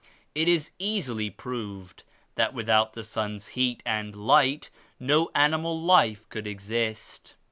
It is easily proved that without the sun's heat and light no animal life could exist.